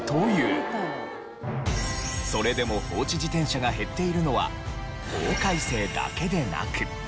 それでも放置自転車が減っているのは法改正だけでなく。